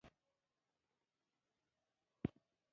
دوی مړه شوي نباتات او حیوانات خاورې ته ورګډوي